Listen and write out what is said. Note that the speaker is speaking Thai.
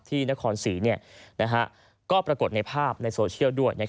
นครศรีก็ปรากฏในภาพในโซเชียลด้วย